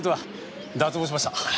脱帽しました。